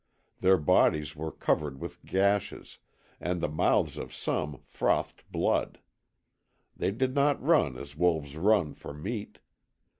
Their bodies were covered with gashes, and the mouths of some frothed blood. They did not run as wolves run for meat.